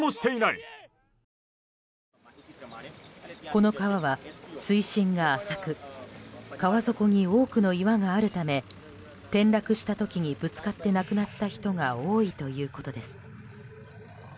この川は水深が浅く川底に多くの岩があるため転落した時にぶつかって亡くなった人が多いということです。